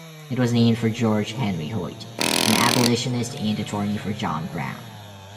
It was named for George Henry Hoyt, an abolitionist and attorney for John Brown.